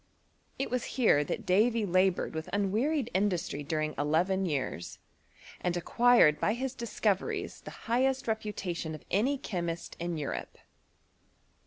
It was here that Davy laboured with unwearied industry during eleven years, and acquired by his discoveries the highest reputation of aay chemist in Europe.